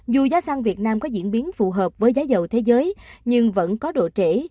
dù giá xăng việt nam có diễn biến phù hợp với giá dầu thế giới nhưng vẫn có độ trễ